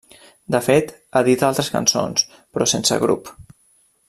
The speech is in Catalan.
De fet, edita altres cançons, però sense grup.